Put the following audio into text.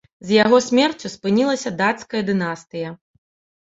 З яго смерцю спынілася дацкая дынастыя.